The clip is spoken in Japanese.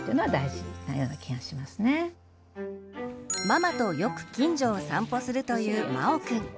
ママとよく近所を散歩するというまおくん。